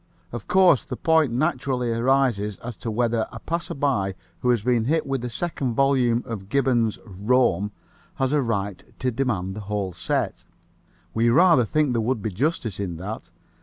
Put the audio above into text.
Of course, the point naturally arises as to whether a passerby who has been hit with the second volume of Gibbon's Rome has a right to demand the whole set. We rather think there would be justice in that.